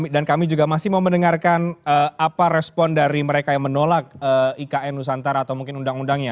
dan kami juga masih mau mendengarkan apa respon dari mereka yang menolak ikn nusantara atau mungkin undang undangnya